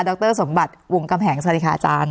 รสมบัติวงกำแหงสวัสดีค่ะอาจารย์